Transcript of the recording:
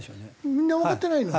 みんなわかってないの？